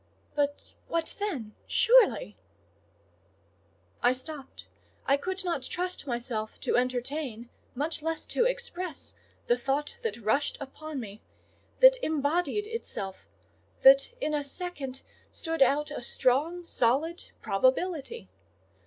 But what then? Surely—" I stopped: I could not trust myself to entertain, much less to express, the thought that rushed upon me—that embodied itself,—that, in a second, stood out a strong, solid probability.